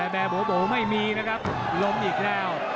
แบ่บู๊บู๊ไม่มีนะครับลมอีกแล้ว